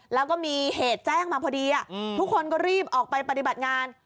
แล้วก็มีเหตุแจ้งมาพอดีทุกคนก็รีบออกไปปฏิบัติงาน